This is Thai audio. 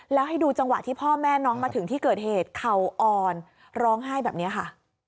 แล้วให้ดูจังหวะที่พ่อแม่น้องมาถึงที่เกิดเหตุเข่าอ่อนร้องไห้แบบนี้ค่ะ